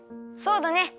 そうだね。